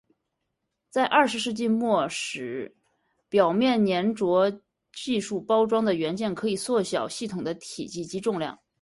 在二十世纪末时表面黏着技术包装的元件可以缩小系统的体积及重量。